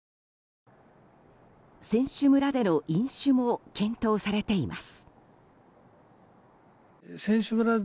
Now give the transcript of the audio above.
選手村での飲酒も検討されています。